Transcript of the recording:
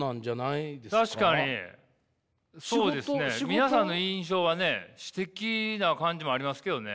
皆さんの印象はね詩的な感じもありますけどね。